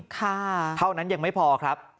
เท่านั้นยังไม่พอครับ